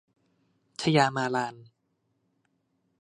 ชยามาลาน